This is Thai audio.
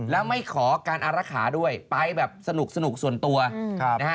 แล้วไม่ขอการอารักษาด้วยไปแบบสนุกส่วนตัวนะฮะ